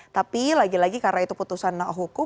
tapi lagi lagi karena itu putusan hukum